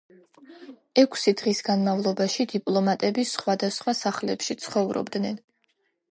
ექვსი დღის განმავლობაში დიპლომატები სხვადასხვა სახლებში ცხოვრობდნენ.